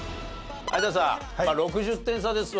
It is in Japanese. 有田さんまあ６０点差ですわ。